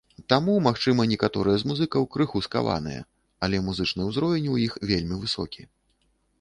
Таму, магчыма, некаторыя з музыкаў крыху скаваныя, але музычны ўзровень у іх вельмі высокі.